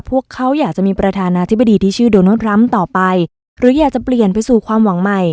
พวกเขาอยากจะมีประธานาธิบดีที่ชื่อโดนัลดทรัมป์ต่อไปหรืออยากจะเปลี่ยนไปสู่ความหวังใหม่